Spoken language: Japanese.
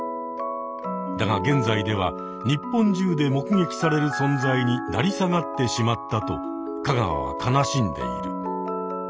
だが現在では日本中でもくげきされる存在に成り下がってしまったと香川は悲しんでいる。